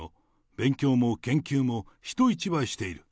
勉強も研究も人一倍している。